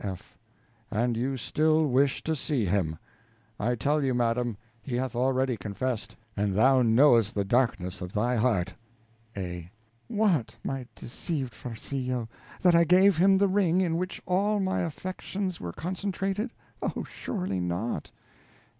F. And you still wish to see him! I tell you, madam, he hath already confessed, and thou knowest the darkness of thy heart. A. What, my deceived Farcillo, that I gave him the ring, in which all my affections were concentrated? Oh, surely not.